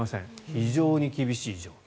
非常に厳しい状況。